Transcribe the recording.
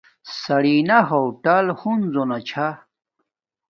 سرینا ہوٹل ہنزو نا چھا